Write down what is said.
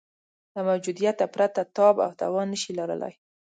له موجودیته پرته تاب او توان نه شي لرلای.